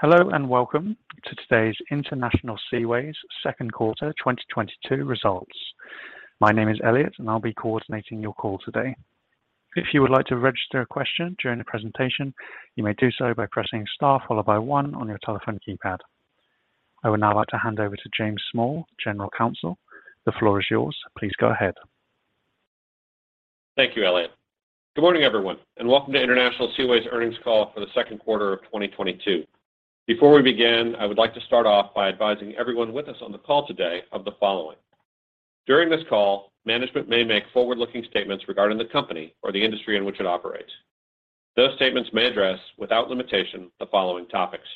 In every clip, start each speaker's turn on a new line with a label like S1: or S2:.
S1: Hello and welcome to today's International Seaways second quarter 2022 results. My name is Elliot, and I'll be coordinating your call today. If you would like to register a question during the presentation, you may do so by pressing star followed by one on your telephone keypad. I would now like to hand over to James Small, General Counsel. The floor is yours. Please go ahead.
S2: Thank you, Elliot. Good morning, everyone, and welcome to International Seaways earnings call for the second quarter of 2022. Before we begin, I would like to start off by advising everyone with us on the call today of the following. During this call, management may make forward-looking statements regarding the company or the industry in which it operates. Those statements may address, without limitation, the following topics,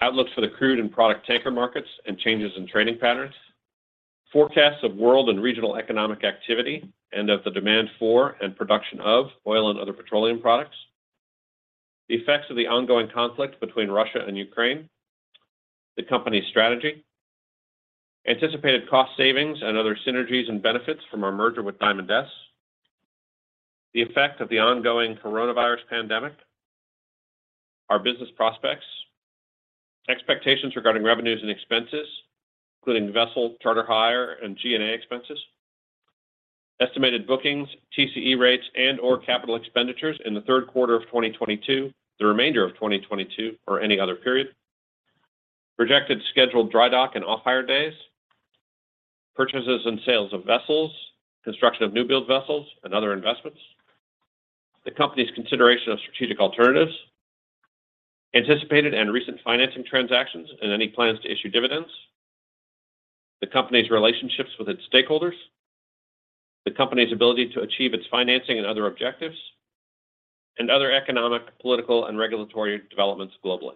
S2: outlook for the crude and product tanker markets and changes in trading patterns, forecasts of world and regional economic activity, and of the demand for and production of oil and other petroleum products, the effects of the ongoing conflict between Russia and Ukraine, the company's strategy, anticipated cost savings and other synergies and benefits from our merger with Diamond S, the effect of the ongoing coronavirus pandemic, our business prospects, expectations regarding revenues and expenses, including vessel, charter hire and G&A expenses. Estimated bookings, TCE rates and/or capital expenditures in the third quarter of 2022, the remainder of 2022, or any other period, projected scheduled dry dock and off-hire days, purchases and sales of vessels, construction of new-build vessels and other investments, the company's consideration of strategic alternatives, anticipated and recent financing transactions and any plans to issue dividends, the company's relationships with its stakeholders, the company's ability to achieve its financing and other objectives, and other economic, political, and regulatory developments globally.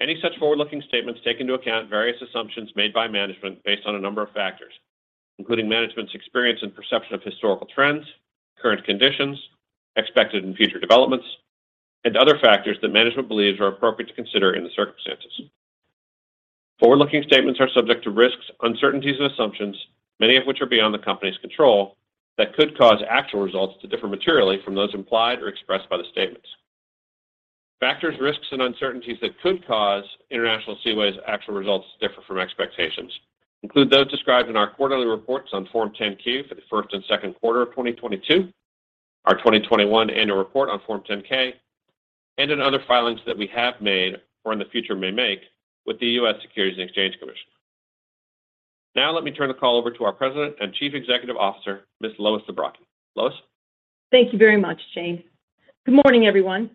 S2: Any such forward-looking statements take into account various assumptions made by management based on a number of factors, including management's experience and perception of historical trends, current conditions, expected and future developments, and other factors that management believes are appropriate to consider in the circumstances. Forward-looking statements are subject to risks, uncertainties, and assumptions, many of which are beyond the company's control, that could cause actual results to differ materially from those implied or expressed by the statements. Factors, risks, and uncertainties that could cause International Seaways' actual results to differ from expectations include those described in our quarterly reports on Form 10-Q for the first and second quarter of 2022, our 2021 annual report on Form 10-K, and in other filings that we have made or in the future may make with the U.S. Securities and Exchange Commission. Now let me turn the call over to our President and Chief Executive Officer, Ms. Lois Zabrocky. Lois?
S3: Thank you very much, James. Good morning, everyone.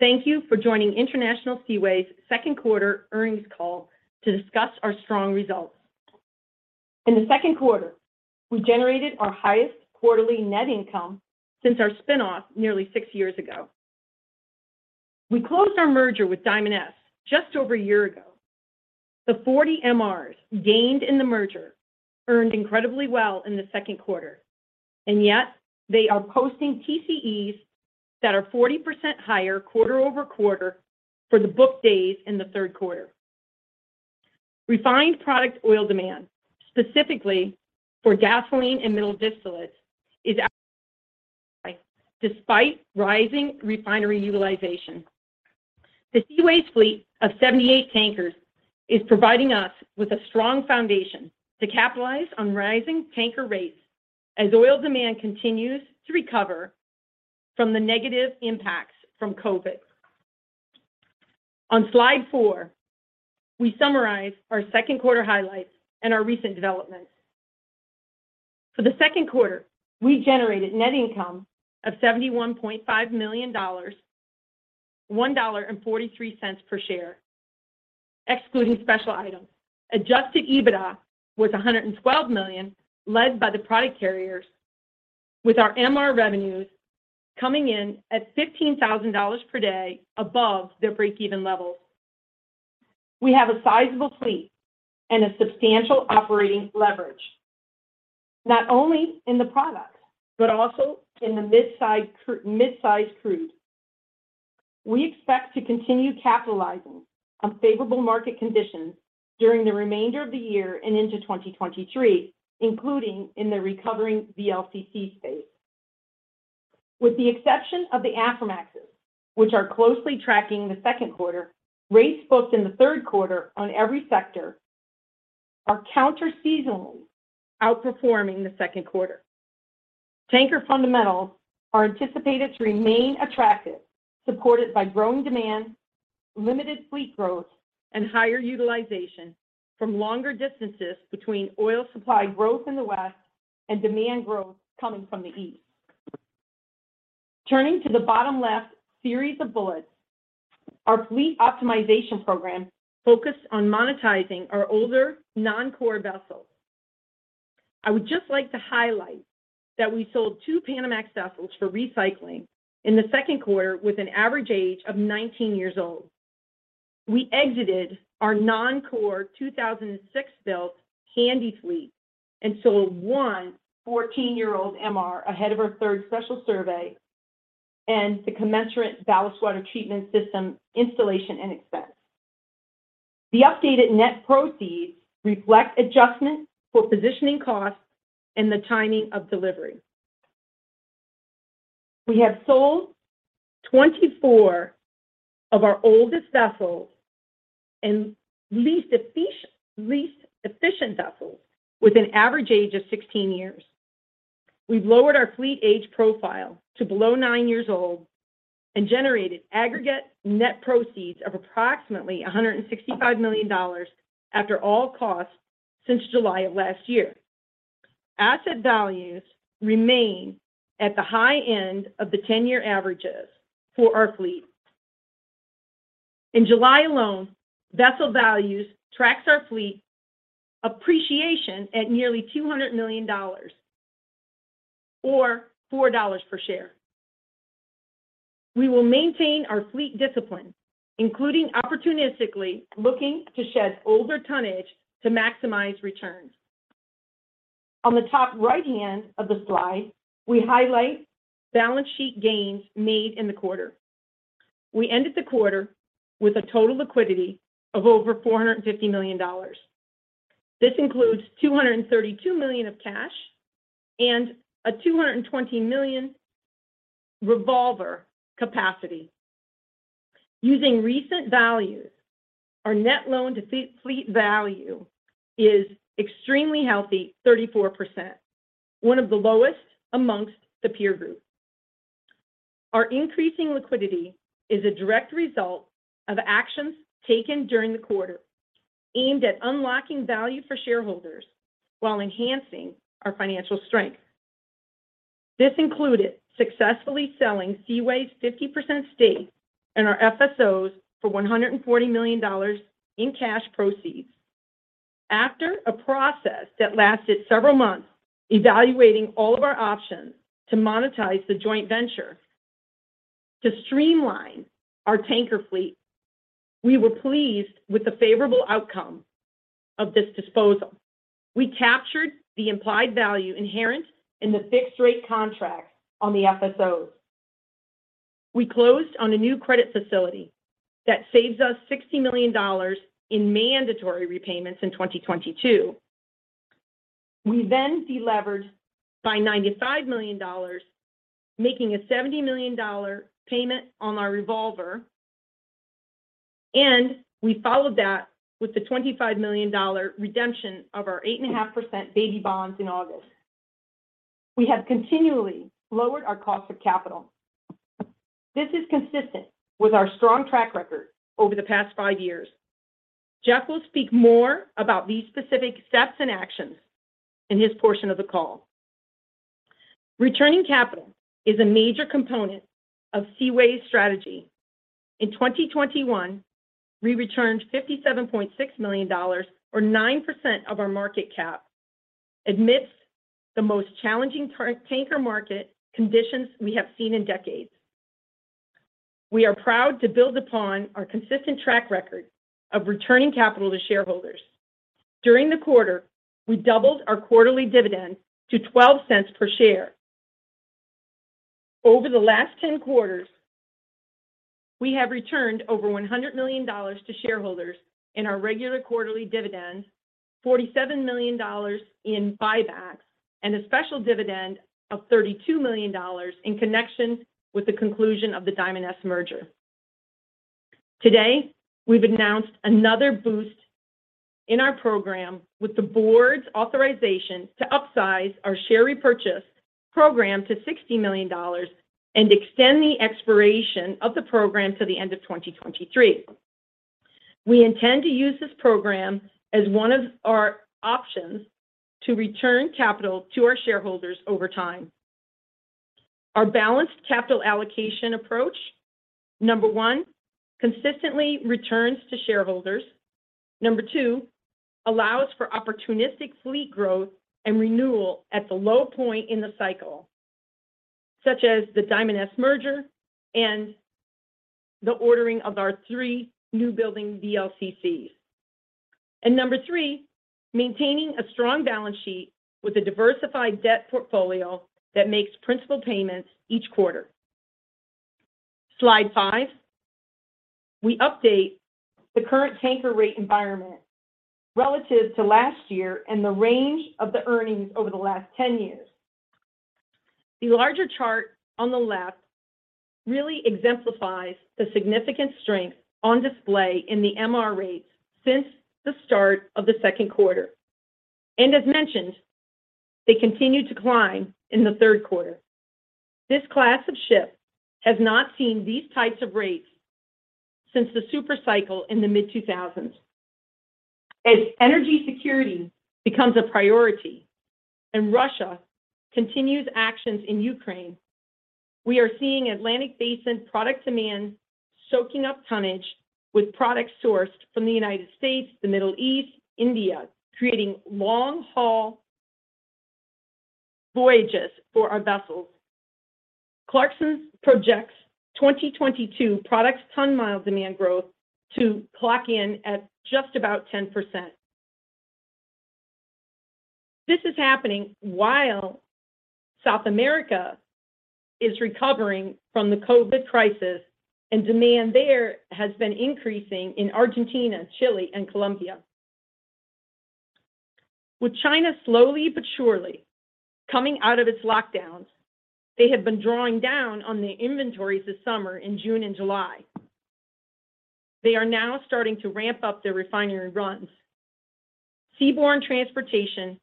S3: Thank you for joining International Seaways second quarter earnings call to discuss our strong results. In the second quarter, we generated our highest quarterly net income since our spin-off nearly six years ago. We closed our merger with Diamond S just over a year ago. The 40 MRs gained in the merger earned incredibly well in the second quarter, and yet they are posting TCEs that are 40% higher quarter-over-quarter for the book days in the third quarter. Refined product oil demand, specifically for gasoline and middle distillates, is up, despite rising refinery utilization. The Seaways fleet of 78 tankers is providing us with a strong foundation to capitalize on rising tanker rates as oil demand continues to recover from the negative impacts from COVID. On slide 4, we summarize our second quarter highlights and our recent developments. For the second quarter, we generated net income of $71.5 million, $1.43 per share, excluding special items. Adjusted EBITDA was $112 million, led by the product carriers with our MR revenues coming in at $15,000 per day above their breakeven levels. We have a sizable fleet and a substantial operating leverage, not only in the products, but also in the midsize crude. We expect to continue capitalizing on favorable market conditions during the remainder of the year and into 2023, including in the recovering VLCC space. With the exception of the Aframaxes, which are closely tracking the second quarter, rates booked in the third quarter on every sector are counter-seasonally outperforming the second quarter. Tanker fundamentals are anticipated to remain attractive, supported by growing demand, limited fleet growth, and higher utilization from longer distances between oil supply growth in the West and demand growth coming from the East. Turning to the bottom left series of bullets, our fleet optimization program focused on monetizing our older non-core vessels. I would just like to highlight that we sold two Panamax vessels for recycling in the second quarter with an average age of 19 years old. We exited our non-core 2006-built Handy fleet and sold one 14-year-old MR ahead of our third special survey and the commensurate ballast water treatment system installation and expense. The updated net proceeds reflect adjustments for positioning costs and the timing of delivery. We have sold 24 of our oldest vessels and least efficient vessels with an average age of 16 years. We've lowered our fleet age profile to below 9 years old and generated aggregate net proceeds of approximately $165 million after all costs since July of last year. Asset values remain at the high end of the 10-year averages for our fleet. In July alone, vessel values track our fleet appreciation at nearly $200 million or $4 per share. We will maintain our fleet discipline, including opportunistically looking to shed older tonnage to maximize returns. On the top right-hand of the slide, we highlight balance sheet gains made in the quarter. We ended the quarter with a total liquidity of over $450 million. This includes $232 million of cash and a $220 million revolver capacity. Using recent values, our net loan-to-fleet value is extremely healthy, 34%, one of the lowest among the peer group. Our increasing liquidity is a direct result of actions taken during the quarter aimed at unlocking value for shareholders while enhancing our financial strength. This included successfully selling Seaways' 50% stake in our FSOs for $140 million in cash proceeds. After a process that lasted several months evaluating all of our options to monetize the joint venture to streamline our tanker fleet, we were pleased with the favorable outcome of this disposal. We captured the implied value inherent in the fixed-rate contracts on the FSOs. We closed on a new credit facility that saves us $60 million in mandatory repayments in 2022. We delevered by $95 million, making a $70 million payment on our revolver, and we followed that with the $25 million redemption of our 8.5% baby bonds in August. We have continually lowered our cost of capital. This is consistent with our strong track record over the past five years. Jeff will speak more about these specific steps and actions in his portion of the call. Returning capital is a major component of Seaways' strategy. In 2021, we returned $57.6 million or 9% of our market cap amidst the most challenging tanker market conditions we have seen in decades. We are proud to build upon our consistent track record of returning capital to shareholders. During the quarter, we doubled our quarterly dividend to $0.12 per share. Over the last 10 quarters, we have returned over $100 million to shareholders in our regular quarterly dividends, $47 million in buybacks, and a special dividend of $32 million in connection with the conclusion of the Diamond S merger. Today, we've announced another boost in our program with the board's authorization to upsize our share repurchase program to $60 million and extend the expiration of the program to the end of 2023. We intend to use this program as one of our options to return capital to our shareholders over time. Our balanced capital allocation approach, number one, consistently returns to shareholders. Number two, allows for opportunistic fleet growth and renewal at the low point in the cycle, such as the Diamond S merger and the ordering of our 3 newbuilding VLCCs. Number 3, maintaining a strong balance sheet with a diversified debt portfolio that makes principal payments each quarter. Slide 5, we update the current tanker rate environment relative to last year and the range of the earnings over the last 10 years. The larger chart on the left really exemplifies the significant strength on display in the MR rates since the start of the second quarter. As mentioned, they continued to climb in the third quarter. This class of ship has not seen these types of rates since the super cycle in the mid-2000s. As energy security becomes a priority and Russia continues actions in Ukraine, we are seeing Atlantic Basin product demand soaking up tonnage with products sourced from the United States, the Middle East, India, creating long-haul voyages for our vessels. Clarksons projects 2022 product ton-mile demand growth to clock in at just about 10%. This is happening while South America is recovering from the COVID crisis and demand there has been increasing in Argentina, Chile, and Colombia. With China slowly but surely coming out of its lockdowns, they have been drawing down on the inventories this summer in June and July. They are now starting to ramp up their refinery runs. Seaborne transportation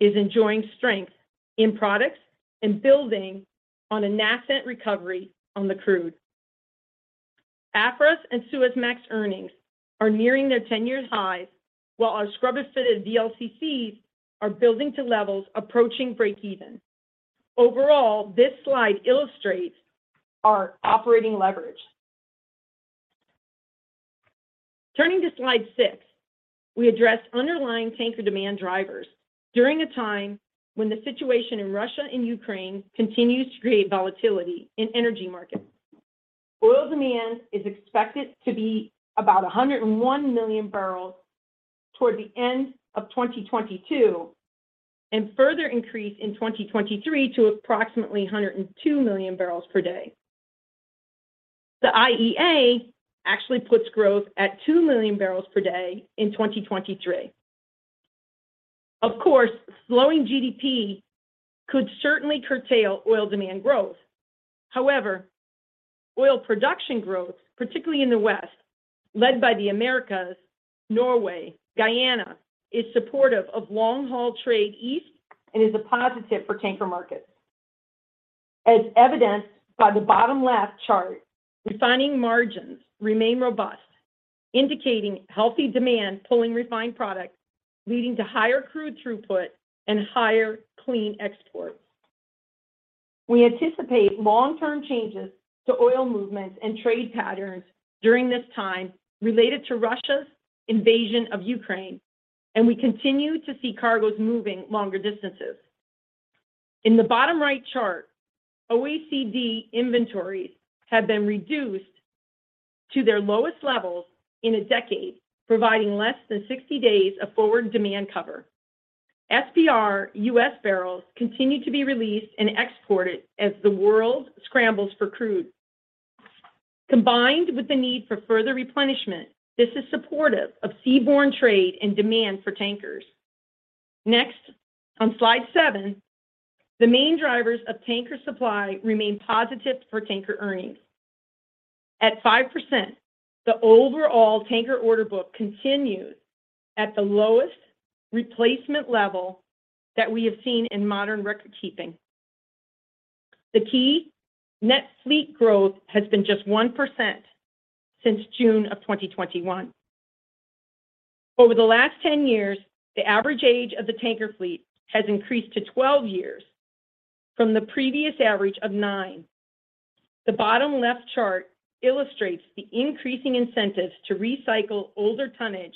S3: is enjoying strength in products and building on a nascent recovery on the crude. Aframax and Suezmax earnings are nearing their 10-year highs, while our scrubber-fitted VLCCs are building to levels approaching breakeven. Overall, this slide illustrates our operating leverage. Turning to slide 6, we address underlying tanker demand drivers during a time when the situation in Russia and Ukraine continues to create volatility in energy markets. Oil demand is expected to be about 101 million barrels toward the end of 2022 and further increase in 2023 to approximately 102 million barrels per day. The IEA actually puts growth at 2 million barrels per day in 2023. Of course, slowing GDP could certainly curtail oil demand growth. However, oil production growth, particularly in the West, led by the Americas, Norway, Guyana, is supportive of long-haul trade east and is a positive for tanker markets. As evidenced by the bottom left chart, refining margins remain robust, indicating healthy demand pulling refined products, leading to higher crude throughput and higher clean exports. We anticipate long-term changes to oil movements and trade patterns during this time related to Russia's invasion of Ukraine, and we continue to see cargoes moving longer distances. In the bottom right chart, OECD inventories have been reduced to their lowest levels in a decade, providing less than 60 days of forward demand cover. SPR U.S. barrels continue to be released and exported as the world scrambles for crude. Combined with the need for further replenishment, this is supportive of seaborne trade and demand for tankers. Next, on slide seven, the main drivers of tanker supply remain positive for tanker earnings. At 5%, the overall tanker order book continues at the lowest replacement level that we have seen in modern record-keeping. The key, net fleet growth has been just 1% since June 2021. Over the last 10 years, the average age of the tanker fleet has increased to 12 years from the previous average of nine. The bottom left chart illustrates the increasing incentives to recycle older tonnage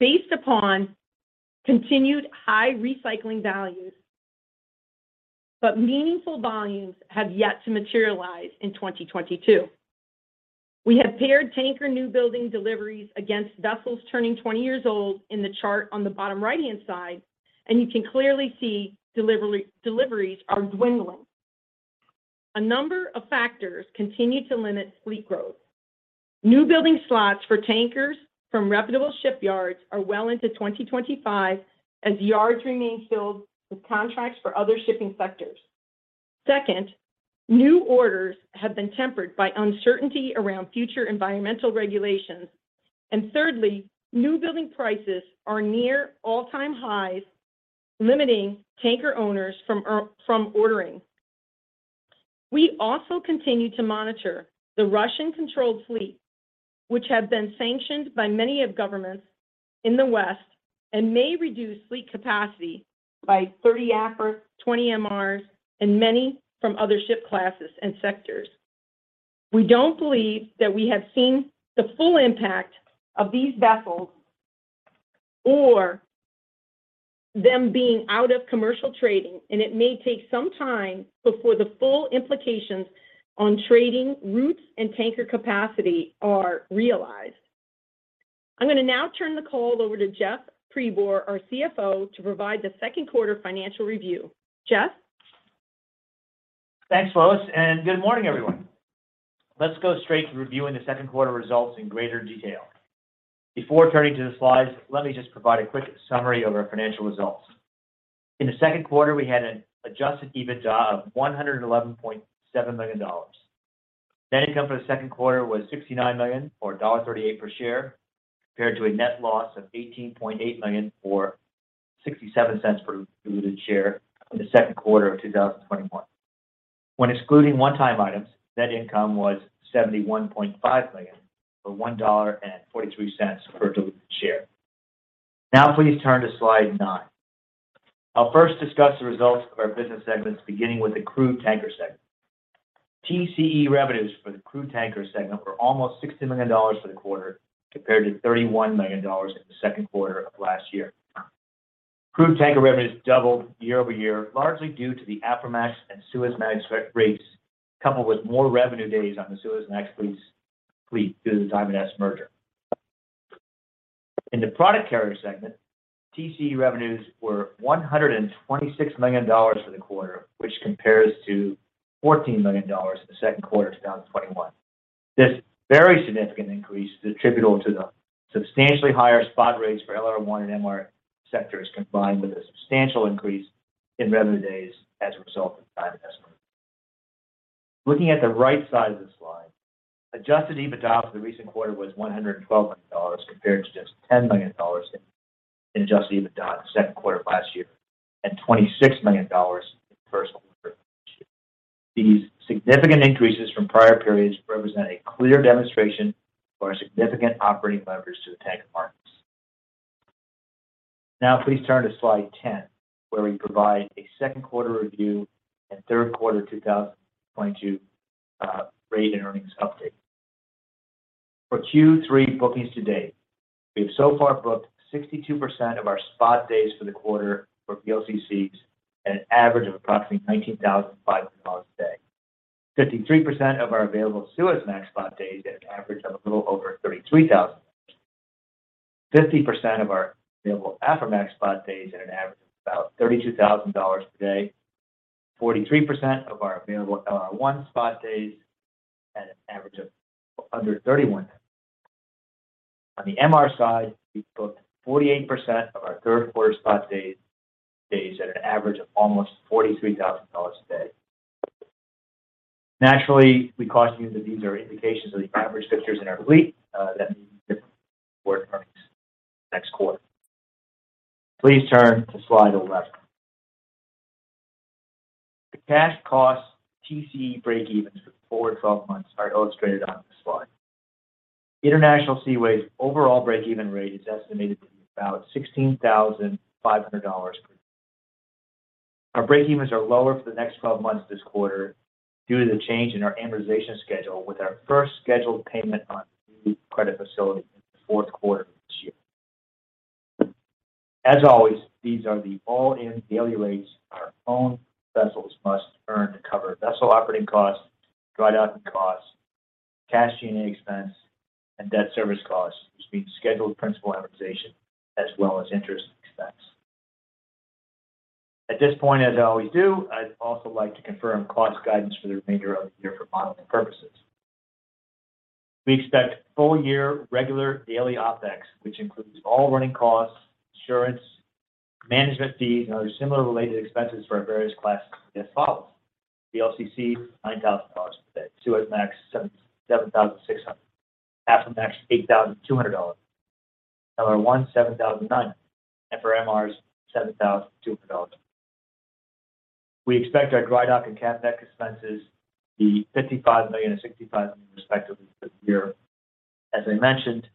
S3: based upon continued high recycling values, but meaningful volumes have yet to materialize in 2022. We have paired tanker new building deliveries against vessels turning 20 years old in the chart on the bottom right-hand side, and you can clearly see deliveries are dwindling. A number of factors continue to limit fleet growth. New building slots for tankers from reputable shipyards are well into 2025 as yards remain filled with contracts for other shipping sectors. Second, new orders have been tempered by uncertainty around future environmental regulations. Thirdly, new building prices are near all-time highs, limiting tanker owners from ordering. We also continue to monitor the Russian-controlled fleet, which has been sanctioned by many of governments in the West and may reduce fleet capacity by 30 Aframaxes, 20 MRs, and many from other ship classes and sectors. We don't believe that we have seen the full impact of these vessels or them being out of commercial trading, and it may take some time before the full implications on trading routes and tanker capacity are realized. I'm going to now turn the call over to Jeff Pribor, our CFO, to provide the second quarter financial review. Jeff?
S4: Thanks, Lois, and good morning, everyone. Let's go straight to reviewing the second quarter results in greater detail. Before turning to the slides, let me just provide a quick summary of our financial results. In the second quarter, we had an adjusted EBITDA of $111.7 million. Net income for the second quarter was $69.0 million or $1.38 per share, compared to a net loss of $18.8 million or $0.67 per diluted share in the second quarter of 2021. When excluding one-time items, net income was $71.5 million or $1.43 per diluted share. Now please turn to slide nine. I'll first discuss the results of our business segments, beginning with the crude tanker segment. TCE revenues for the crude tanker segment were almost $60 million for the quarter, compared to $31 million in the second quarter of last year. Crude tanker revenues doubled year-over-year, largely due to the Aframax and Suezmax re-rates, coupled with more revenue days on the Suezmax fleet due to the Diamond S merger. In the product carrier segment, TCE revenues were $126 million for the quarter, which compares to $14 million in the second quarter of 2021. This very significant increase is attributable to the substantially higher spot rates for LR1 and MR sectors combined with a substantial increase in revenue days as a result of time investment. Looking at the right side of the slide, adjusted EBITDA for the recent quarter was $112 million compared to just $10 million in adjusted EBITDA in the second quarter of last year, and $26 million in the first quarter of this year. These significant increases from prior periods represent a clear demonstration of our significant operating leverage to the tank markets. Now please turn to slide 10, where we provide a second quarter review and third quarter 2022 rate and earnings update. For Q3 bookings to date, we've so far booked 62% of our spot days for the quarter for VLCCs at an average of approximately $19,500 a day. 53% of our available Suezmax spot days at an average of a little over 33,000. 50% of our available Aframax spot days at an average of about $32,000 a day. 43% of our available LR1 spot days at an average of under $31,000. On the MR side, we've booked 48% of our third quarter spot days at an average of almost $43,000 a day. Naturally, we caution you that these are indications of the average fixtures in our fleet, that may differ before earnings next quarter. Please turn to slide 11. The cash cost TC breakevens for the forward 12 months are illustrated on this slide. International Seaways overall breakeven rate is estimated to be about $16,500 per day. Our breakevens are lower for the next 12 months this quarter due to the change in our amortization schedule with our first scheduled payment on the new credit facility in the fourth quarter of this year. As always, these are the all-in daily rates our own vessels must earn to cover vessel operating costs, drydocking costs, cash G&A expense, and debt service costs, which means scheduled principal amortization as well as interest expense. At this point, as I always do, I'd also like to confirm cost guidance for the remainder of the year for modeling purposes. We expect full-year regular daily OpEx, which includes all running costs, insurance, management fees, and other similar related expenses for our various classes as follows. VLCC, $9,000 per day. Suezmax, $7,760. Aframax, $8,200. LR1, $7,900. For MRs, $7,200. We expect our drydock and CapEx expenses to be $55 million and $65 million respectively this year. As I mentioned,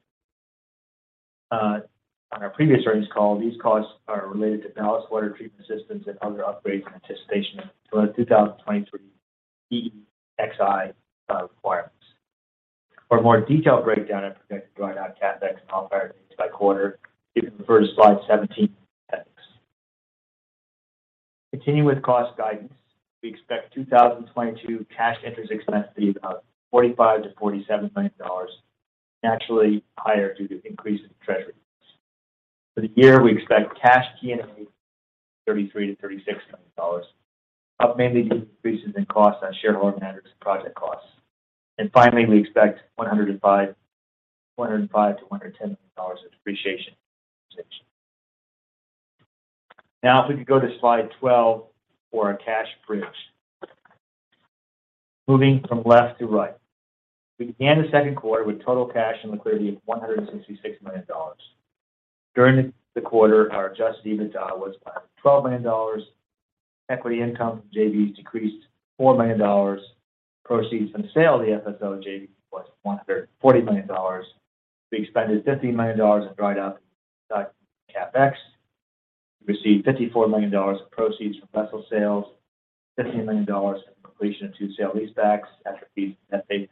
S4: on our previous earnings call, these costs are related to ballast water treatment systems and other upgrades in anticipation of the 2023 EEXI requirements. For a more detailed breakdown of projected drydock, CapEx, and operating by quarter, you can refer to slide 17 appendix. Continuing with cost guidance, we expect 2022 cash interest expense to be about $45 million-$47 million, naturally higher due to increases in treasury bills. For the year, we expect cash G&A to be $33 million-$36 million, up mainly due to increases in costs on shareholder matters and project costs. Finally, we expect $105 million-$110 million of depreciation and amortization. Now if we could go to slide 12 for our cash bridge. Moving from left to right. We began the second quarter with total cash and liquidity of $166 million. During the quarter, our adjusted EBITDA was $112 million. Equity income from JVs decreased $4 million. Proceeds from the sale of the FSO JV was $140 million. We expended $15 million in drydock and CapEx. We received $54 million of proceeds from vessel sales, $15 million from completion of two sale-leasebacks after fees and debt payment,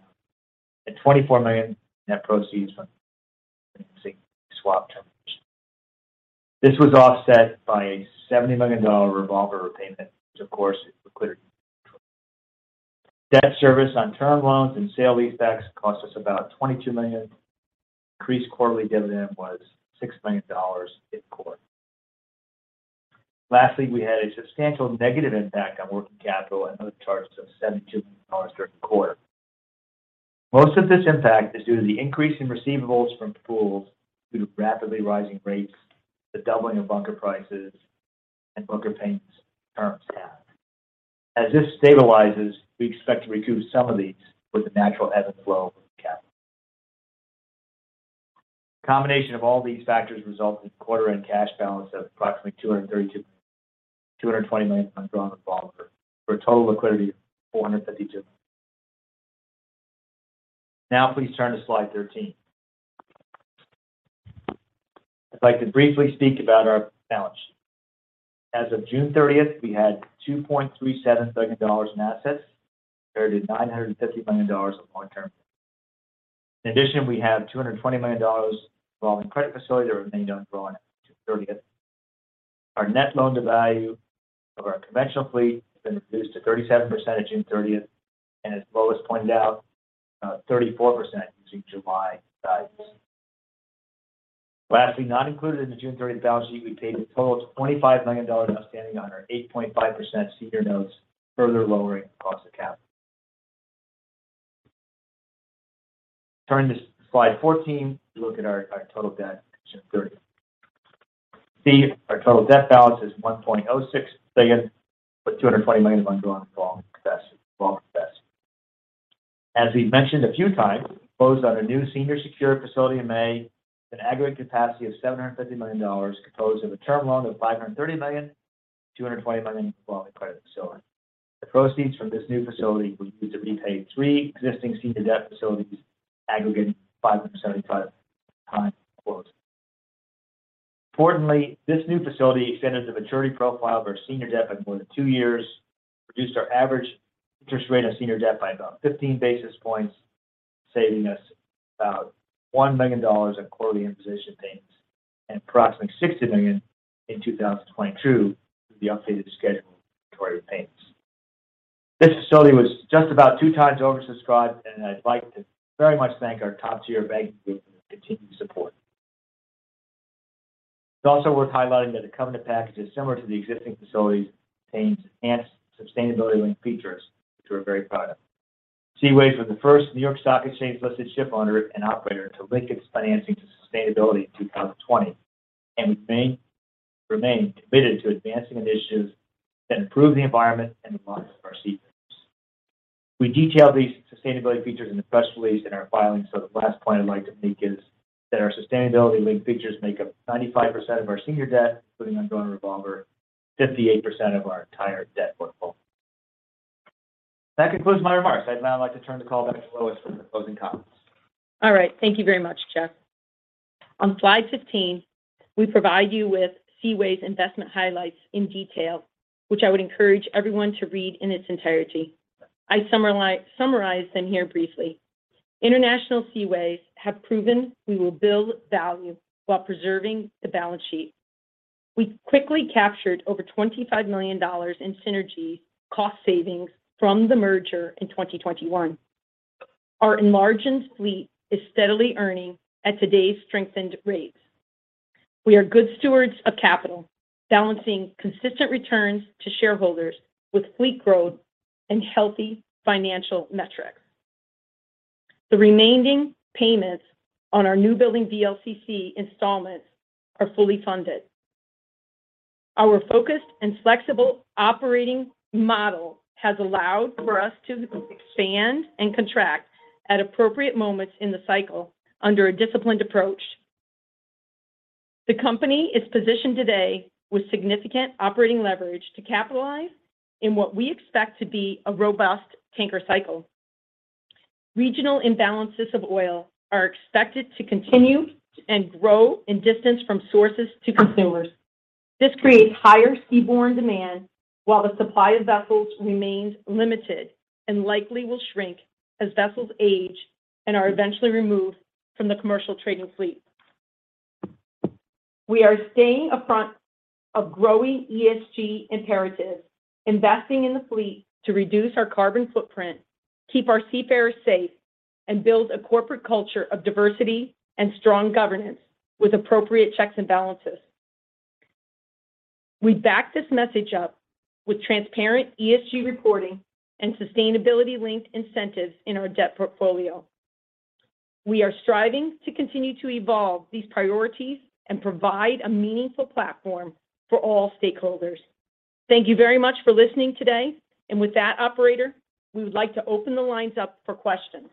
S4: and $24 million in net proceeds from swap terminations. This was offset by a $70 million revolver repayment, which of course is liquidity neutral. Debt service on term loans and sale-leasebacks cost us about $22 million. Increased quarterly dividend was $6 million in quarter. We had a substantial negative impact on working capital and other charges of $72 million during the quarter. Most of this impact is due to the increase in receivables from pools due to rapidly rising rates, the doubling of bunker prices, and bunker payments in terms paid. As this stabilizes, we expect to reduce some of these with the natural ebb and flow of cash. The combination of all these factors result in a quarter-end cash balance of approximately $232 million, $220 million undrawn revolver for a total liquidity of $452 million. Now please turn to slide 13. I'd like to briefly speak about our balance sheet. As of June 30th, we had $2.37 billion in assets compared to $950 million of long-term debt. In addition, we have $220 million available in credit facility that remained undrawn as of June 30th. Our net loan-to-value of our conventional fleet has been reduced to 37% as of June 30th, and as Lois pointed out, 34% using July guidance. Lastly, not included in the June 30th balance sheet, we paid a total of $25 million outstanding on our 8.5% senior notes, further lowering cost of capital. Turning to slide 14, we look at our total debt as of June 30th. You see our total debt balance is $1.06 billion, with $220 million of ongoing revolving credit facility. As we've mentioned a few times, we closed on our new senior secured facility in May with an aggregate capacity of $750 million, composed of a term loan of $530 million, $220 million of revolving credit facility. The proceeds from this new facility were used to repay three existing senior debt facilities aggregating $575 million at the time we closed. Importantly, this new facility extended the maturity profile of our senior debt by more than two years, reduced our average interest rate on senior debt by about 15 basis points, saving us about $1 million in quarterly interest payments and approximately $60 million in 2022 through the updated schedule of mandatory payments. This facility was just about two times oversubscribed, and I'd like to very much thank our top-tier bank group for their continued support. It's also worth highlighting that the covenant package is similar to the existing facilities containing enhanced sustainability-linked features, which we're very proud of. Seaways was the first New York Stock Exchange-listed shipowner and operator to link its financing to sustainability in 2020, and we remain committed to advancing initiatives that improve the environment and the lives of our seafarers. We detailed these sustainability features in the press release in our filings, so the last point I'd like to make is that our sustainability-linked features make up 95% of our senior debt, including ongoing revolver, 58% of our entire debt portfolio. That concludes my remarks. I'd now like to turn the call back to Lois for some closing comments.
S3: All right. Thank you very much, Jeff. On slide 15, we provide you with Seaways' investment highlights in detail, which I would encourage everyone to read in its entirety. I summarize them here briefly. International Seaways have proven we will build value while preserving the balance sheet. We quickly captured over $25 million in synergies cost savings from the merger in 2021. Our enlarged fleet is steadily earning at today's strengthened rates. We are good stewards of capital, balancing consistent returns to shareholders with fleet growth and healthy financial metrics. The remaining payments on our new building VLCC installments are fully funded. Our focused and flexible operating model has allowed for us to expand and contract at appropriate moments in the cycle under a disciplined approach. The company is positioned today with significant operating leverage to capitalize in what we expect to be a robust tanker cycle. Regional imbalances of oil are expected to continue and grow in distance from sources to consumers. This creates higher seaborne demand while the supply of vessels remains limited and likely will shrink as vessels age and are eventually removed from the commercial trading fleet. We are staying ahead of growing ESG imperatives, investing in the fleet to reduce our carbon footprint, keep our seafarers safe, and build a corporate culture of diversity and strong governance with appropriate checks and balances. We back this message up with transparent ESG reporting and sustainability-linked incentives in our debt portfolio. We are striving to continue to evolve these priorities and provide a meaningful platform for all stakeholders. Thank you very much for listening today. With that, operator, we would like to open the lines up for questions.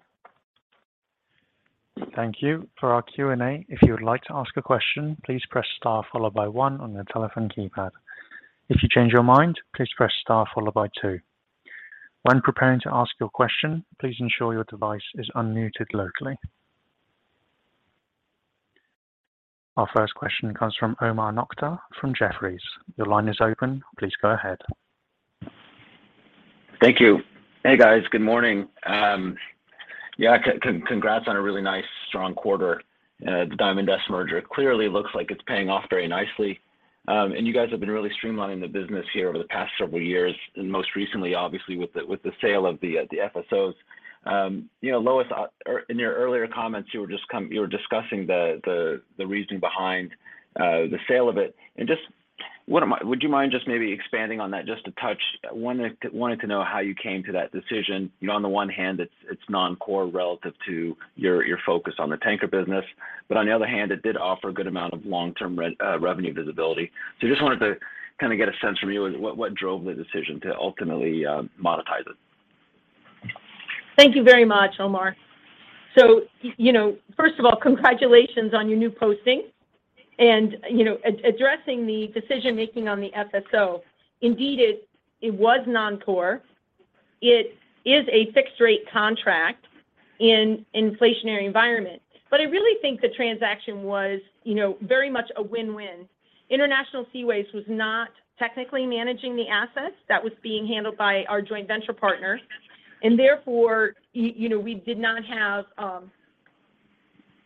S1: Thank you. For our Q&A, if you would like to ask a question, please press star followed by one on your telephone keypad. If you change your mind, please press star followed by two. When preparing to ask your question, please ensure your device is unmuted locally. Our first question comes from Omar Nokta from Jefferies. Your line is open. Please go ahead.
S5: Thank you. Hey, guys. Good morning. Yeah, congrats on a really nice strong quarter. The Diamond S merger clearly looks like it's paying off very nicely. You guys have been really streamlining the business here over the past several years, and most recently, obviously, with the sale of the FSOs. You know, Lois, in your earlier comments, you were just discussing the reasoning behind the sale of it. Would you mind just maybe expanding on that just a touch? I wanted to know how you came to that decision. You know, on the one hand, it's non-core relative to your focus on the tanker business. On the other hand, it did offer a good amount of long-term revenue visibility. Just wanted to kind of get a sense from you what drove the decision to ultimately monetize it?
S3: Thank you very much, Omar. You know, first of all, congratulations on your new posting. You know, addressing the decision-making on the FSO, indeed, it was non-core. It is a fixed rate contract in inflationary environment. I really think the transaction was, you know, very much a win-win. International Seaways was not technically managing the assets. That was being handled by our joint venture partners. Therefore, you know, we did not have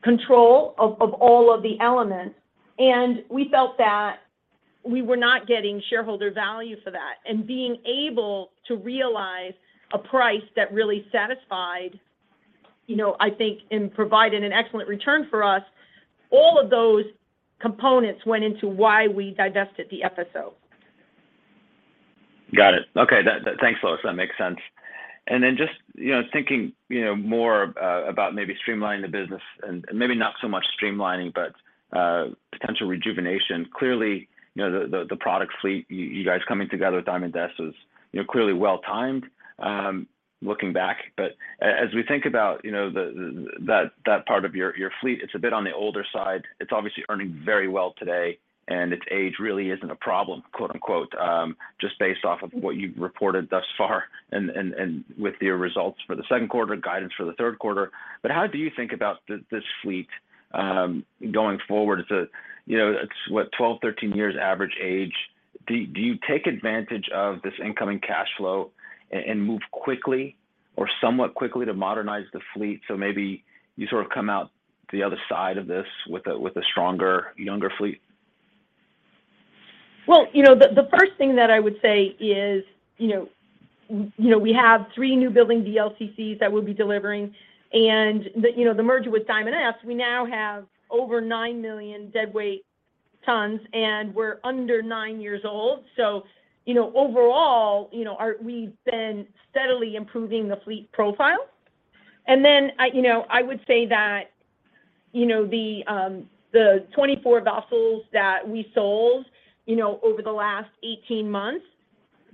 S3: control of all of the elements. We felt that we were not getting shareholder value for that. Being able to realize a price that really satisfied, you know, I think and provided an excellent return for us, all of those components went into why we divested the FSO.
S5: Got it. Okay. Thanks, Lois. That makes sense. Then just, you know, thinking, you know, more about maybe streamlining the business and maybe not so much streamlining, but potential rejuvenation, clearly, you know, the product fleet you guys coming together with Diamond S was, you know, clearly well-timed, looking back. As we think about, you know, that part of your fleet, it's a bit on the older side. It's obviously earning very well today, and its age really isn't a problem, quote-unquote, just based off of what you've reported thus far and with your results for the second quarter, guidance for the third quarter. How do you think about this fleet, going forward? It's a, you know, it's what? 12, 13 years average age. Do you take advantage of this incoming cash flow and move quickly or somewhat quickly to modernize the fleet, so maybe you sort of come out the other side of this with a stronger, younger fleet?
S3: Well, you know, the first thing that I would say is, you know, we have three newbuilding VLCCs that we'll be delivering and the merger with Diamond S Shipping, we now have over 9 million deadweight tons, and we're under 9 years old. You know, overall, you know, we've been steadily improving the fleet profile. I would say that, you know, the 24 vessels that we sold, you know, over the last 18 months,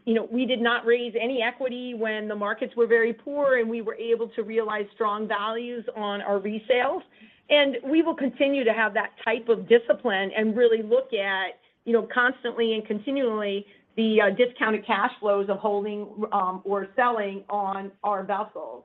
S3: you know, we did not raise any equity when the markets were very poor, and we were able to realize strong values on our resales. We will continue to have that type of discipline and really look at, you know, constantly and continually the discounted cash flows of holding or selling our vessels.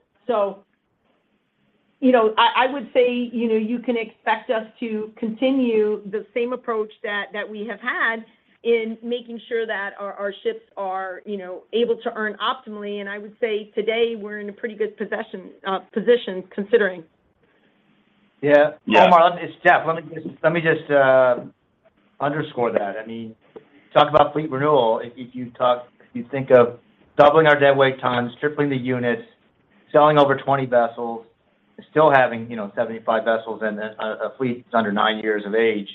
S3: You know, I would say, you know, you can expect us to continue the same approach that we have had in making sure that our ships are, you know, able to earn optimally. I would say today we're in a pretty good position considering.
S4: Omar, it's Jeff. Let me just underscore that. I mean, talk about fleet renewal. If you think of doubling our deadweight tons, tripling the units, selling over 20 vessels and still having, you know, 75 vessels and a fleet that's under 9 years of age,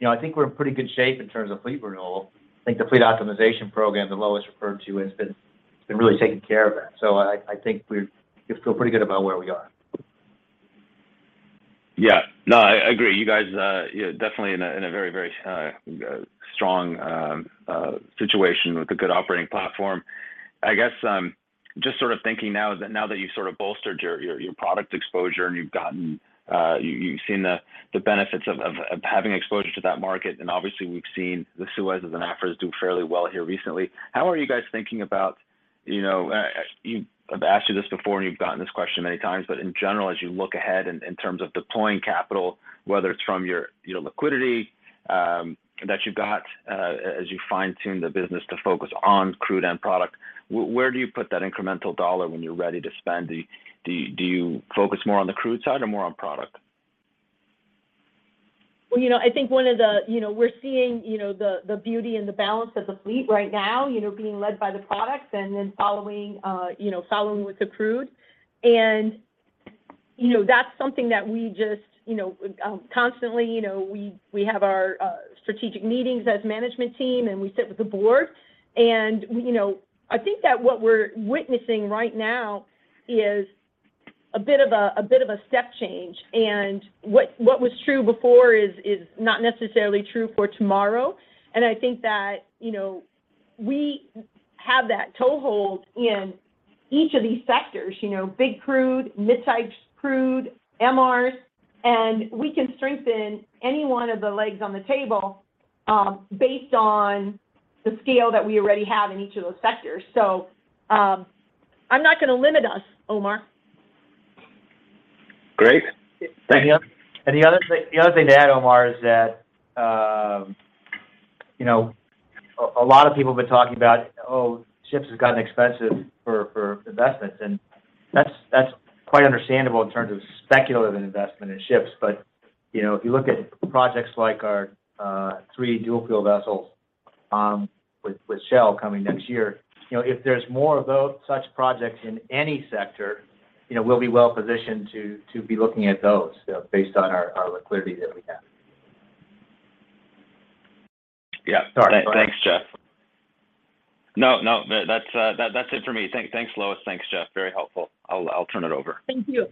S4: you know, I think we're in pretty good shape in terms of fleet renewal. I think the fleet optimization program that Lois referred to has been really taking care of that. I think we feel pretty good about where we are.
S5: Yeah. No, I agree. You guys are, you know, definitely in a very strong situation with a good operating platform. I guess, just sort of thinking now is that now that you've sort of bolstered your product exposure and you've gotten, you've seen the benefits of having exposure to that market, and obviously we've seen the Suezmax do fairly well here recently. How are you guys thinking about, you know, I've asked you this before and you've gotten this question many times, but in general, as you look ahead in terms of deploying capital, whether it's from your liquidity that you've got, as you fine-tune the business to focus on crude and product, where do you put that incremental dollar when you're ready to spend? Do you focus more on the crude side or more on product?
S3: Well, you know, I think. You know, we're seeing, you know, the beauty and the balance of the fleet right now, you know, being led by the products and then following, you know, following with the crude. You know, that's something that we just, you know, constantly, you know, we have our strategic meetings as management team and we sit with the board and we. You know, I think that what we're witnessing right now is a bit of a step change. What was true before is not necessarily true for tomorrow. I think that, you know, we have that toehold in each of these sectors, you know, big crude, mid-size crude, MRs, and we can strengthen any one of the legs on the table, based on the scale that we already have in each of those sectors. I'm not gonna limit us, Omar.
S5: Great. Thank you.
S4: The other thing to add, Omar, is that, you know, a lot of people have been talking about, "Oh, ships has gotten expensive for investments," and that's quite understandable in terms of speculative investment in ships. You know, if you look at projects like our three dual-fuel vessels with Shell coming next year, you know, if there's more of such projects in any sector, you know, we'll be well positioned to be looking at those, based on our liquidity that we have. Yeah. Sorry. Go ahead.
S5: Thanks, Jeff. No, that's it for me. Thanks, Lois. Thanks, Jeff. Very helpful. I'll turn it over.
S3: Thank you.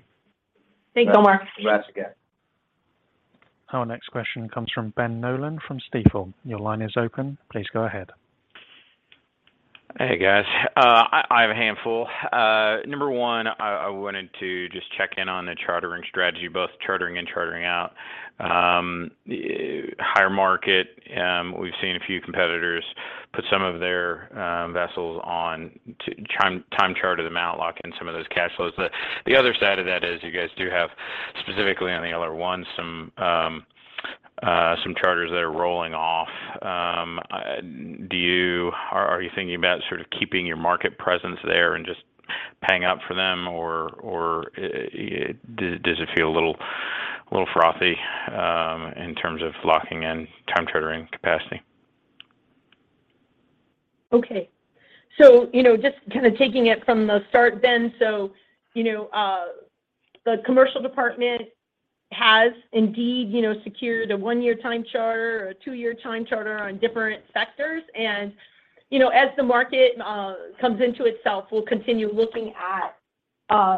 S3: Thanks, Omar.
S5: Thanks.
S4: You're welcome.
S1: Our next question comes from Ben Nolan from Stifel. Your line is open. Please go ahead.
S6: Hey, guys. I have a handful. Number one, I wanted to just check in on the chartering strategy, both chartering and chartering out. Higher market, we've seen a few competitors put some of their vessels on to time charter them out, lock in some of those cash flows. The other side of that is you guys do have, specifically on the LR1, some charters that are rolling off. Are you thinking about sort of keeping your market presence there and just paying up for them? Or does it feel a little frothy in terms of locking in time chartering capacity?
S3: Okay. You know, just kind of taking it from the start then. You know, the commercial department has indeed, you know, secured a one-year time charter or a two-year time charter on different sectors and, you know, as the market comes into itself, we'll continue looking at,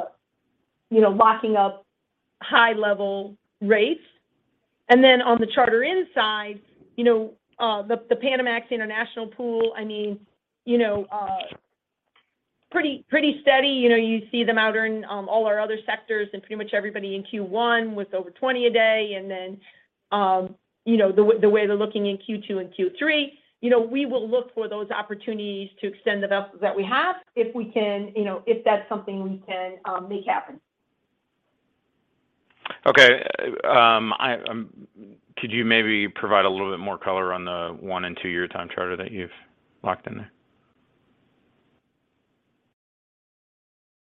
S3: you know, locking up high-level rates. On the charter-in side, you know, the Panamax International pool, I mean, you know, pretty steady. You know, you see them outearning all our other sectors and pretty much everybody in Q1 with over $20,000 a day. You know, the way they're looking in Q2 and Q3, you know, we will look for those opportunities to extend the vessels that we have if we can, you know, if that's something we can make happen.
S6: Could you maybe provide a little bit more color on the 1- and 2-year time charter that you've locked in there?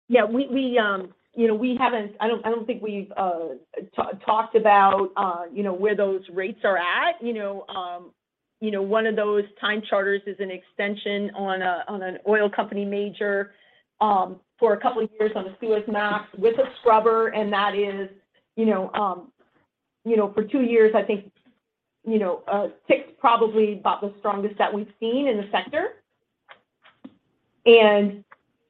S3: You know, I don't think we've talked about you know where those rates are at. You know, one of those time charters is an extension on a major oil company for a couple of years on a Suezmax with a scrubber, and that is you know for two years I think you know ticks probably about the strongest that we've seen in the sector.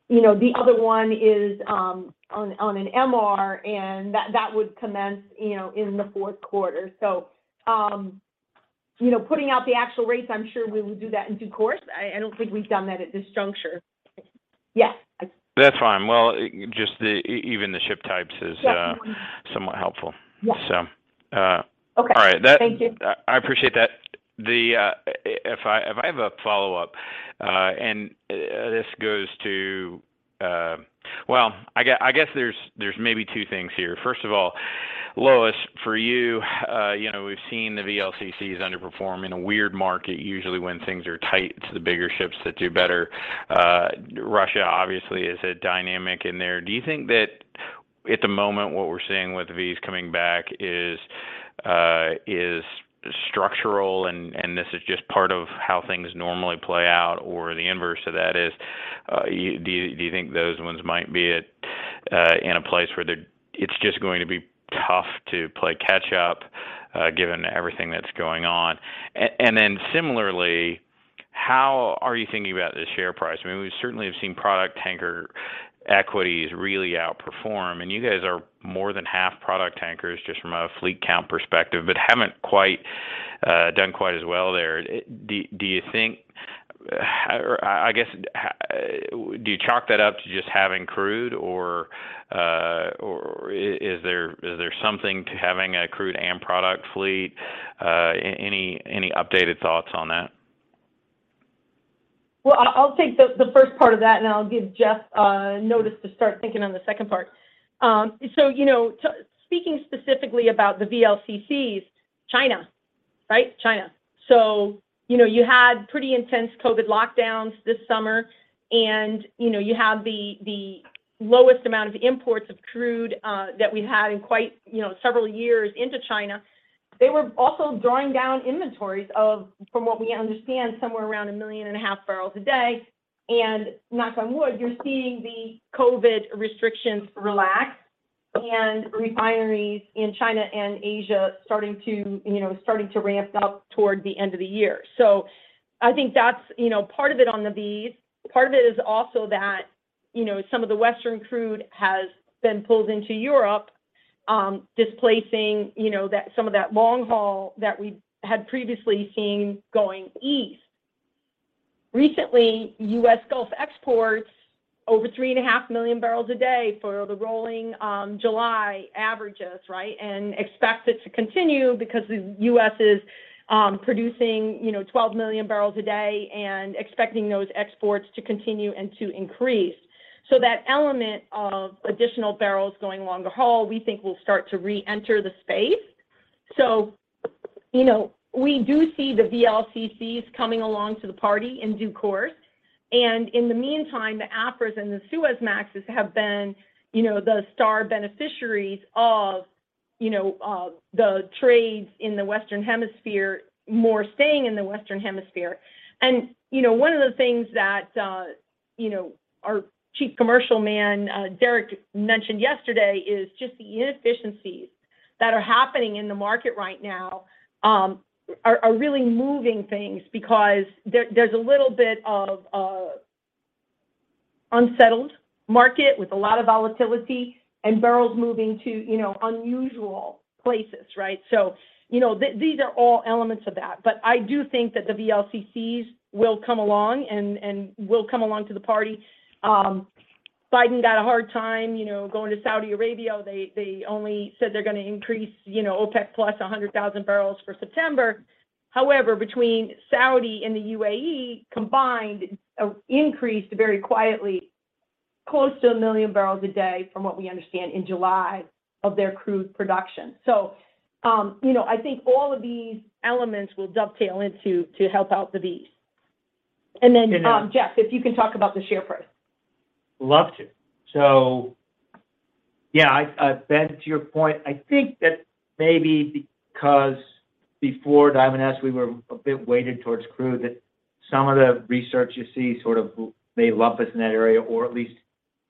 S3: You know, the other one is on an MR, and that would commence you know in the fourth quarter. You know, putting out the actual rates, I'm sure we will do that in due course. I don't think we've done that at this juncture. Yes.
S6: That's fine. Well, just the, even the ship types is somewhat helpful.
S3: Okay.
S6: All right.
S3: Thank you.
S6: I appreciate that. If I have a follow-up, this goes to. Well, I guess there's maybe two things here. First of all, Lois, for you know, we've seen the VLCCs underperform in a weird market. Usually when things are tight, it's the bigger ships that do better. Russia obviously is a dynamic in there. Do you think that at the moment what we're seeing with the V's coming back is structural and this is just part of how things normally play out? Or the inverse of that is, do you think those ones might be in a place where it's just going to be tough to play catch up, given everything that's going on? Similarly, how are you thinking about the share price? I mean, we certainly have seen product tanker equities really outperform, and you guys are more than half product tankers just from a fleet count perspective, but haven't quite done quite as well there. I guess do you chalk that up to just having crude or is there something to having a crude and product fleet? Any updated thoughts on that?
S3: Well, I'll take the first part of that, and I'll give Jeff notice to start thinking on the second part. You know, speaking specifically about the VLCCs, China, right? China. You know, you had pretty intense COVID lockdowns this summer and, you know, you had the lowest amount of imports of crude that we've had in quite several years into China. They were also drawing down inventories, from what we understand, somewhere around 1.5 million barrels a day. Knock on wood, you're seeing the COVID restrictions relax and refineries in China and Asia starting to ramp up toward the end of the year. I think that's part of it on the V's. Part of it is also that, you know, some of the Western crude has been pulled into Europe, displacing, you know, that some of that long haul that we had previously seen going east. Recently, US Gulf exports over 3.5 million barrels a day for the rolling July averages, right? Expect it to continue because the US is producing, you know, 12 million barrels a day and expecting those exports to continue and to increase. That element of additional barrels going longer haul, we think, will start to reenter the space. You know, we do see the VLCCs coming along to the party in due course. In the meantime, the Aframaxes and the Suezmaxes have been, you know, the star beneficiaries of, you know, the trades in the Western Hemisphere, more staying in the Western Hemisphere. You know, one of the things that, our chief commercial man, Derek mentioned yesterday is just the inefficiencies that are happening in the market right now, are really moving things because there's a little bit of a unsettled market with a lot of volatility and barrels moving to, you know, unusual places, right? You know, these are all elements of that, but I do think that the VLCCs will come along and will come along to the party. Biden got a hard time, you know, going to Saudi Arabia. They only said they're gonna increase, you know, OPEC plus 100,000 barrels for September. However, between Saudi and the UAE combined increased very quietly close to 1 million barrels a day from what we understand in July of their crude production. You know, I think all of these elements will dovetail into to help out the beast. Jeff, if you can talk about the share price.
S4: Love to. Yeah, Ben, to your point, I think that maybe because before Diamond S we were a bit weighted towards crude, that some of the research you see sort of may lump us in that area or at least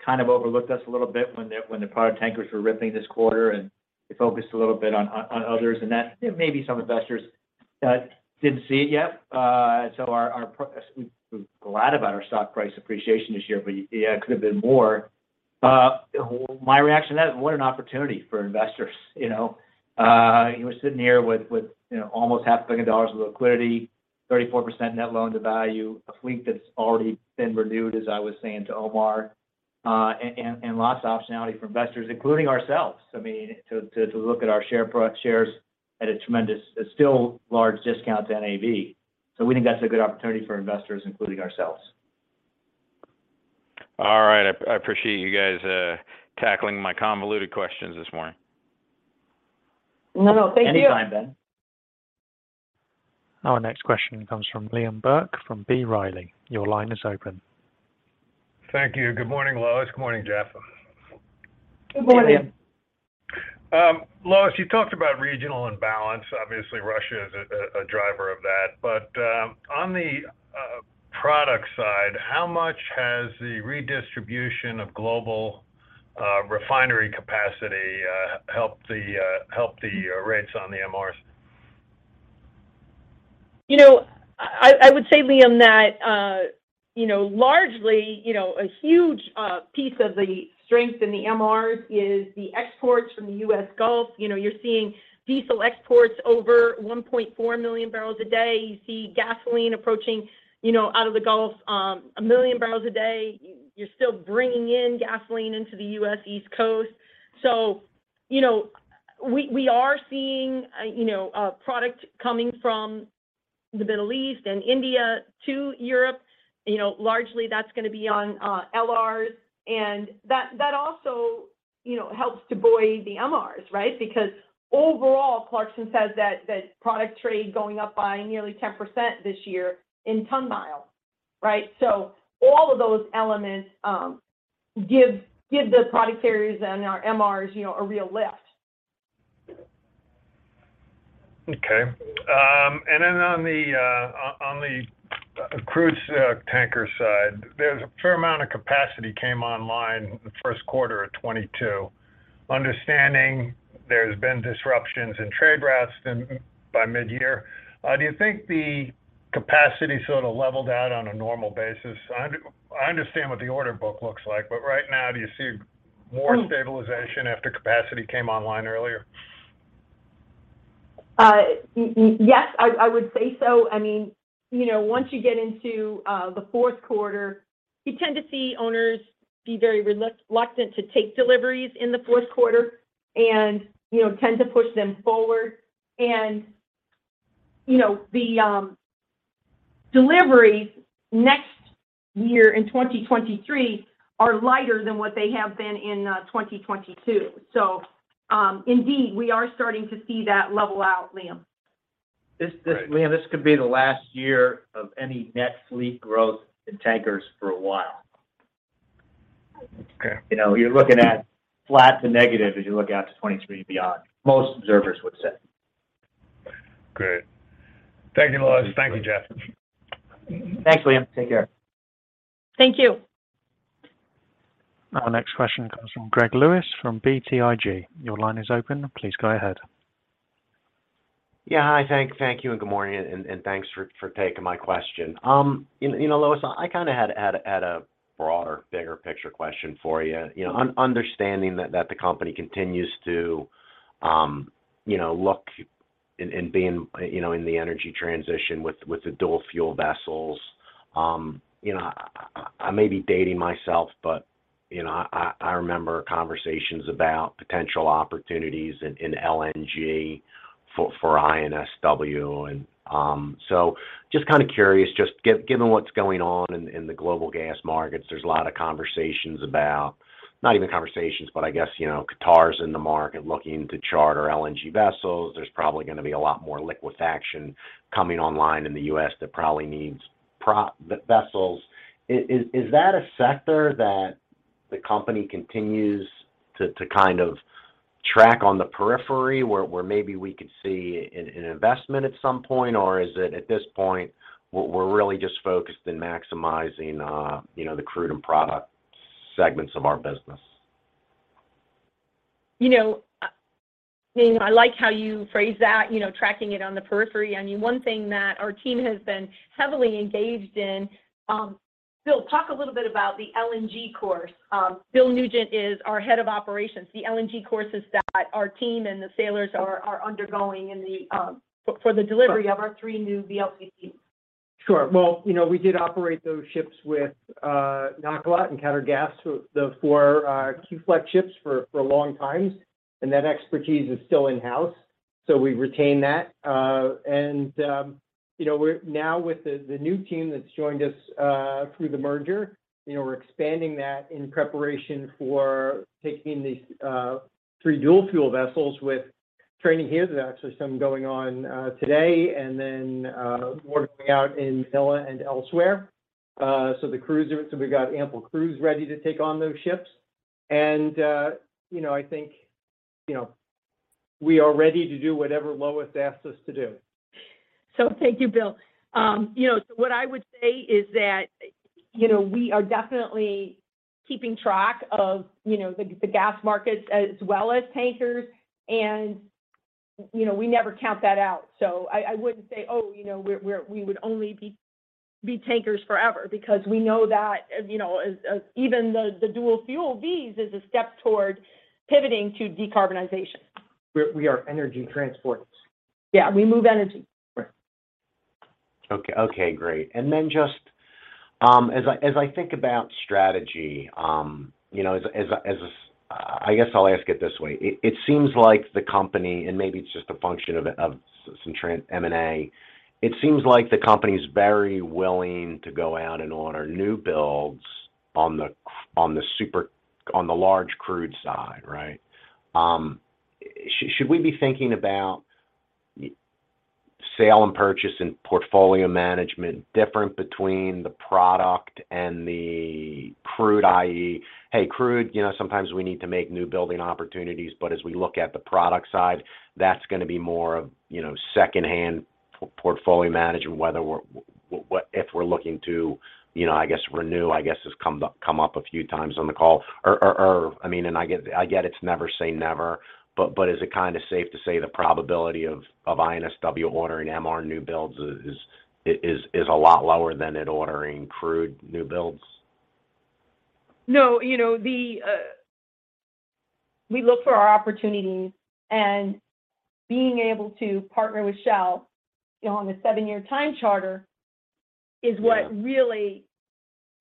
S4: kind of overlooked us a little bit when the product tankers were ripping this quarter, and they focused a little bit on others and that. Maybe some investors didn't see it yet. We're glad about our stock price appreciation this year, but yeah, it could have been more. My reaction to that, what an opportunity for investors, you know? We're sitting here with, you know, almost half a billion dollars of liquidity, 34% net loan-to-value, a fleet that's already been renewed, as I was saying to Omar, and lots of optionality for investors, including ourselves. I mean, to look at our shares at a still large discount to NAV. We think that's a good opportunity for investors, including ourselves.
S6: All right. I appreciate you guys tackling my convoluted questions this morning.
S3: No, no. Thank you.
S4: Anytime, Ben.
S1: Our next question comes from Liam Burke from B. Riley. Your line is open.
S7: Thank you. Good morning, Lois. Good morning, Jeff.
S3: Good morning.
S4: Good morning.
S7: Lois, you talked about regional imbalance. Obviously, Russia is a driver of that. On the product side, how much has the redistribution of global refinery capacity helped the rates on the MRs?
S3: You know, I would say, Liam, that you know largely you know a huge piece of the strength in the MRs is the exports from the US Gulf. You know you're seeing diesel exports over 1.4 million barrels a day. You see gasoline approaching you know out of the Gulf a million barrels a day. You're still bringing in gasoline into the US East Coast. You know we are seeing you know product coming from the Middle East and India to Europe you know. Largely that's gonna be on LRs and that also you know helps to buoy the MRs right? Because overall Clarksons says that product trade going up by nearly 10% this year in tonne-mile right? All of those elements give the product carriers and our MRs, you know, a real lift.
S7: Okay. On the crude tanker side, there's a fair amount of capacity came online the first quarter of 2022. Understanding there's been disruptions in trade routes by midyear, do you think the capacity sort of leveled out on a normal basis? I understand what the order book looks like, but right now, do you see more stabilization after capacity came online earlier?
S3: Yes, I would say so. I mean, you know, once you get into the fourth quarter, you tend to see owners be very reluctant to take deliveries in the fourth quarter and, you know, tend to push them forward. You know, the deliveries next year in 2023 are lighter than what they have been in 2022. Indeed, we are starting to see that level out, Liam.
S4: Liam, this could be the last year of any net fleet growth in tankers for a while.
S7: Okay.
S4: You know, you're looking at flat to negative as you look out to 2023 and beyond, most observers would say.
S7: Great. Thank you, Lois. Thank you, Jeff.
S4: Thanks, Liam. Take care.
S3: Thank you.
S1: Our next question comes from Greg Lewis from BTIG. Your line is open. Please go ahead.
S8: Yeah. Hi. Thank you and good morning, and thanks for taking my question. You know, Lois, I kind of had a broader, bigger picture question for you. You know, understanding that the company continues to, you know, look into being, you know, in the energy transition with the dual-fuel vessels, you know, I may be dating myself, but, you know, I remember conversations about potential opportunities in LNG for INSW and. Just kind of curious, given what's going on in the global gas markets, there's a lot of conversations about not even conversations, but I guess, you know, Qatar's in the market looking to charter LNG vessels. There's probably gonna be a lot more liquefaction coming online in the U.S. that probably needs vessels. Is that a sector that the company continues to kind of track on the periphery where maybe we could see an investment at some point, or is it at this point we're really just focused in maximizing, you know, the crude and product segments of our business?
S3: You know, I mean, I like how you phrased that, you know, tracking it on the periphery. I mean, one thing that our team has been heavily engaged in, Bill, talk a little bit about the LNG course. Bill Nugent is our head of operations. The LNG course is that our team and the sailors are undergoing for the delivery of our three new VLCCs.
S9: Sure. Well, you know, we did operate those ships with Nakilat and Qatargas, the 4 Q-Flex ships for long times, and that expertise is still in-house. So we retain that. You know, we're now with the new team that's joined us through the merger, you know, we're expanding that in preparation for taking these three dual-fuel vessels with training here. There's actually some going on today, and then more going out in Elba and elsewhere. So we got ample crews ready to take on those ships. You know, I think, you know, we are ready to do whatever Lois asks us to do.
S3: Thank you, Bill. You know, what I would say is that, you know, we are definitely keeping track of, you know, the gas markets as well as tankers and, you know, we never count that out. I wouldn't say, "Oh, you know, we would only be tankers forever," because we know that, you know, as even the dual-fuel Vs is a step toward pivoting to decarbonization.
S4: We are energy transporters.
S3: Yeah. We move energy.
S4: Right.
S8: Okay. Okay, great. Then just, as I think about strategy, you know, as a... I guess I'll ask it this way. It seems like the company, and maybe it's just a function of some trending M&A, it seems like the company's very willing to go out and order new builds on the Suezmax, on the large crude side, right? Should we be thinking about the sale and purchase and portfolio management different between the product and the crude? i.e. Hey, crude, you know, sometimes we need to make newbuilding opportunities, but as we look at the product side, that's gonna be more of, you know, secondhand portfolio management what if we're looking to, you know, I guess renew, I guess has come up a few times on the call. Or, I mean, I get it's never say never, but is it kind of safe to say the probability of INSW ordering MR new builds is a lot lower than it ordering crude new builds?
S3: No, you know, we look for our opportunities and being able to partner with Shell on the seven-year time charter is what really,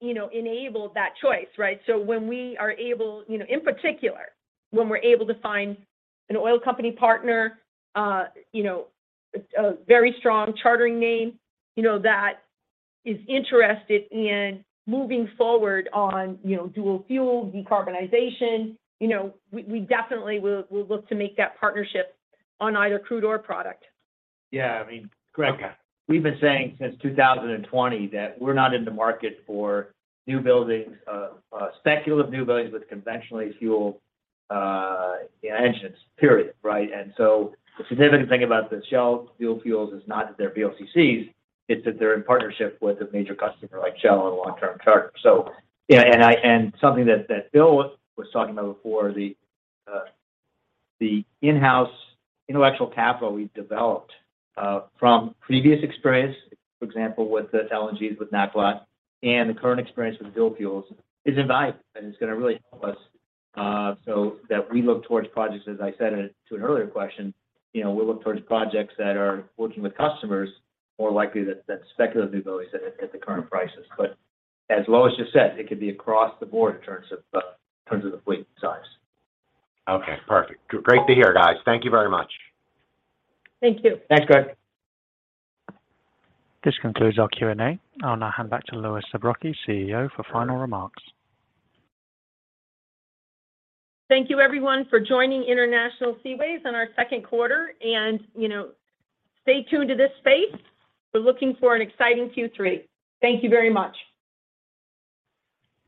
S3: you know, enabled that choice, right? When we are able, you know, in particular, when we're able to find an oil company partner, you know, a very strong chartering name, you know, that is interested in moving forward on, you know, dual-fuel, decarbonization, you know, we definitely will look to make that partnership on either crude or product.
S4: Yeah. I mean, Greg, we've been saying since 2020 that we're not in the market for new buildings, speculative new buildings with conventional fuel engines, period. Right? The significant thing about the Shell dual fuels is not that they're VLCCs, it's that they're in partnership with a major customer like Shell on a long-term charter. Something that Bill was talking about before, the in-house intellectual capital we've developed from previous experience, for example, with the LNGs with Nakilat and the current experience with dual fuels is invaluable and it's gonna really help us so that we look towards projects, as I said to an earlier question, you know, we'll look towards projects that are working with customers more likely than speculative new builds at the current prices. As Lois just said, it could be across the board in terms of the fleet size.
S8: Okay. Perfect. Great to hear, guys. Thank you very much.
S3: Thank you.
S4: Thanks, Greg.
S1: This concludes our Q&A. I'll now hand back to Lois Zabrocky, CEO, for final remarks.
S3: Thank you everyone for joining International Seaways on our second quarter and, you know, stay tuned to this space. We're looking for an exciting Q3. Thank you very much.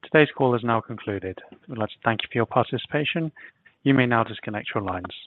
S1: Today's call is now concluded. I'd like to thank you for your participation. You may now disconnect your lines.